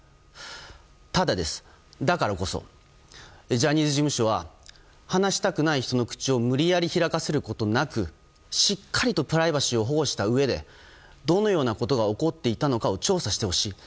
ただです、だからこそジャニーズ事務所は話したくない人の口を無理やり開かせることなくしっかりとプライバシーを保護したうえでどのようなことが起こっていたのかを調査してほしい。